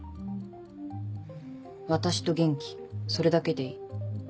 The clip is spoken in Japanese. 私と元気それだけでいい。